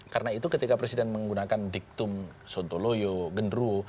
karena itu ketika presiden menggunakan diktum sontoloyo genru